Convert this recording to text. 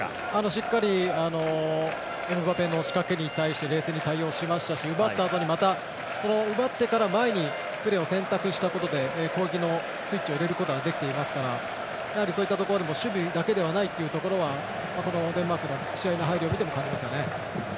しっかりエムバペの仕掛けに対し冷静に対応しましたし奪ってから前にプレーを選択したことで攻撃のスイッチを入れることができていますからやはり、そういったところでも守備だけではないというのはこのデンマークの試合の入りを見ても感じますよね。